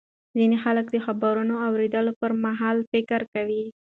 ځینې خلک د خبرونو اورېدو پر مهال فکر کوي.